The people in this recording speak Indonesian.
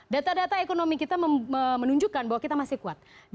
data data ekonomi kita menunjukkan bahwa kita masih kuat